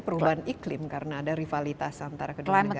perubahan iklim karena ada rivalitas antara kedua negara